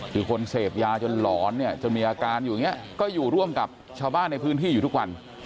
คือคนเสพยาจนหลอนเนี่ยจนมีอาการอยู่อย่างนี้ก็อยู่ร่วมกับชาวบ้านในพื้นที่อยู่ทุกวัน